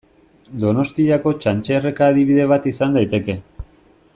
Donostiako Txantxerreka adibide bat izan daiteke.